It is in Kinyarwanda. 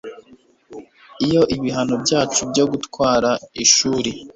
iyo ibihano byacu byo gutwara ishuri